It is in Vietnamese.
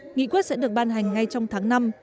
nghị quyết sẽ được ban hành ngay trong tháng năm